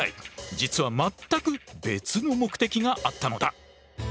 実は全く別の目的があったのだ。